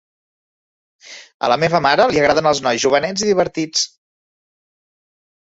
A la meva mare li agraden els nois jovenets i divertits.